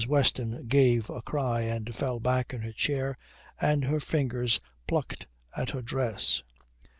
Weston gave a cry and fell back in her chair and her fingers plucked at her dress.